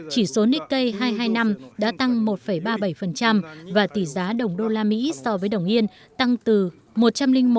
chỉ số nikkei hai trăm hai mươi năm đã tăng một ba mươi bảy và tỷ giá đồng đô la mỹ so với đồng yên tăng từ một trăm linh một sáu mươi sáu lên một trăm linh hai sáu mươi bốn